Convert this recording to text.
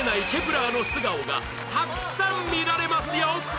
１ｅｒ の素顔がたくさん見られますよ